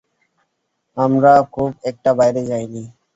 আমরা খুব একটা বাইরে যাইনি।